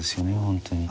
本当に。